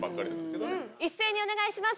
一斉にお願いします。